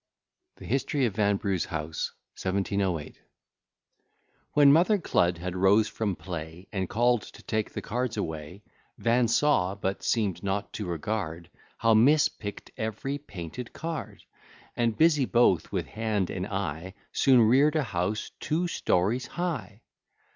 ] THE HISTORY OF VANBRUGH'S HOUSE 1708 When Mother Cludd had rose from play, And call'd to take the cards away, Van saw, but seem'd not to regard, How Miss pick'd every painted card, And, busy both with hand and eye, Soon rear'd a house two stories high.